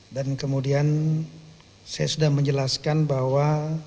dan kemudian saya sudah menjelaskan bahwa